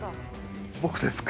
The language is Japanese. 僕ですか？